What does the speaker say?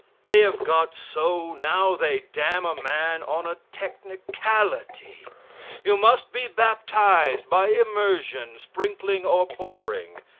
They have got so now they damn a man on a technicality. You must be baptized by immersion, sprinkling or pouring.